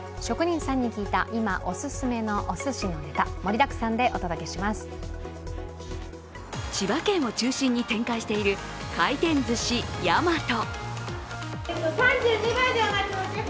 職人さんに聞いた、今、お勧めのおすしのネタ、千葉県を中心に展開している回転寿司やまと。